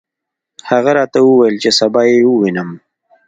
هغه راته وویل چې سبا یې ووینم.